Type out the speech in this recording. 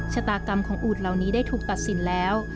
ชะตากรรมของอูดเหล่านี้ได้ถูกตัดสินแล้ว